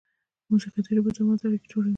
موسیقي د ژبو تر منځ اړیکه جوړوي.